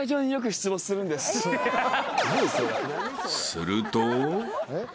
［すると］